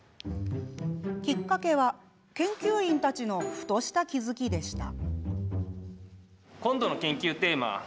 きっかけは、研究員たちのふとした気付きでした。